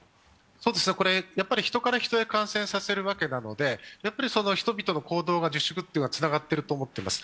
人から人へ感染させるわけなので人々の行動の自粛がつながっていると思っています。